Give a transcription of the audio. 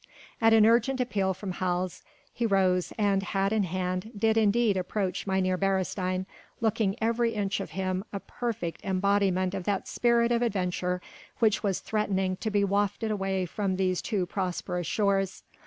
At an urgent appeal from Hals he rose and, hat in hand, did indeed approach Mynheer Beresteyn, looking every inch of him a perfect embodiment of that spirit of adventure which was threatening to be wafted away from these too prosperous shores.